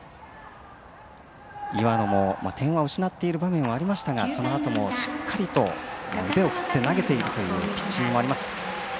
岩野も点は失っている場面はありましたがそのあともしっかりと腕を振って投げていくというピッチングもあります。